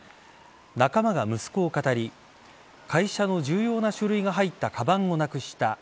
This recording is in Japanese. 仲間が息子を語り会社の重要な書類が入ったかばんをなくした。